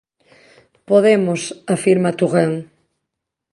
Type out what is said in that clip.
Podemos, afirma Touraine.